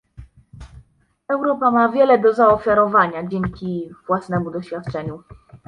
Europa ma wiele do zaofiarowania dzięki własnemu doświadczeniu